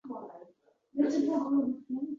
Ko‘ksimni yorolmay tinchigan mushtim